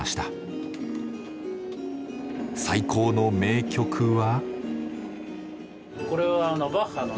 最高の名曲は。